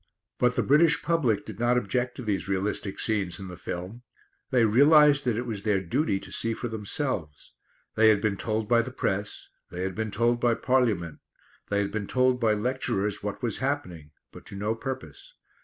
But the British public did not object to these realistic scenes in the film. They realised that it was their duty to see for themselves. They had been told by the press; they had been told by Parliament; they had been told by lecturers what was happening, but to no purpose.